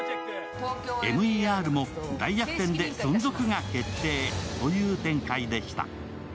ＭＥＲも大逆転で存続が決定という展開でした。